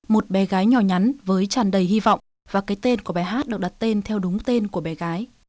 một bé gái nhỏ nhắn với tràn đầy hy vọng và cái tên của bài hát được đặt tên theo đúng tên của bé gái